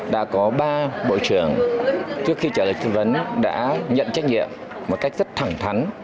đã có ba bộ trưởng trước khi trả lời tư vấn đã nhận trách nhiệm một cách rất thẳng thắn